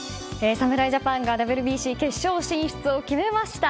侍ジャパンがＷＢＣ決勝進出を決めました。